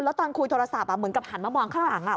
แล้วตอนคุยโทรศัพท์เหมือนกับหันมามองข้างหลัง